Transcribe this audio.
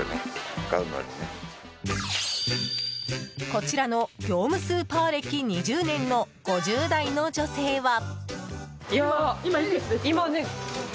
こちらの業務スーパー歴２０年の５０代の女性は。